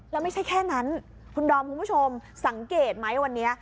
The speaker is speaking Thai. แล้วไม่ใช่แค่นั้นคุณดอมคุณผู้ชมสังเกตไหมวันนี้